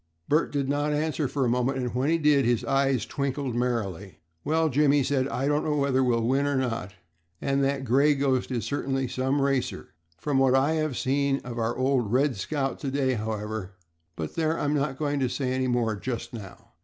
Bert did not answer for a moment, and when he did his eyes twinkled merrily. "Well, Jim," he said, "I don't know whether we'll win or not and that 'Gray Ghost' is certainly some racer. From what I have seen of our old 'Red Scout' to day, however, but there, I'm not going to say any more just now.